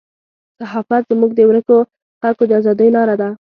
صحافت زموږ د ورکو خلکو د ازادۍ لاره ده.